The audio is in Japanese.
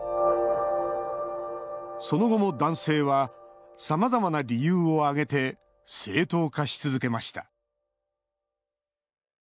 その後も男性はさまざまな理由を挙げて正当化し続けました。